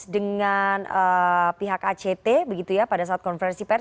dengan pihak act begitu ya pada saat konversi pers